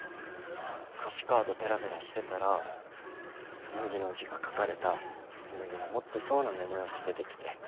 歌詞カードペラペラしてたら紬の字が書かれた紬の持ってそうなメモ用紙出てきて。